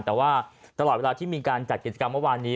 แต่ว่าตลอดเวลาที่มีการจัดกิจกรรมเมื่อวานนี้